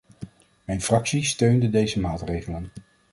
Mijn fractie steunde deze maatregelen.